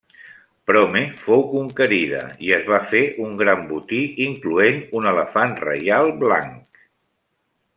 Prome fou conquerida i es va fer un gran botí incloent un elefant reial blanc.